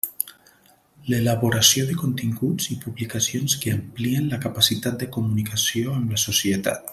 L'elaboració de continguts i publicacions que amplien la capacitat de comunicació amb la societat.